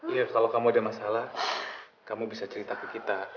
iya kalau kamu ada masalah kamu bisa cerita ke kita